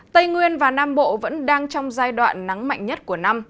tây nguyên và nam bộ vẫn đang trong giai đoạn nắng mạnh nhất của năm